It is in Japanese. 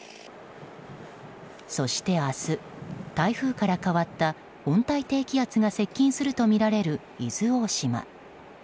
そして明日台風から変わった温帯低気圧が接近するとみられる伊豆大島。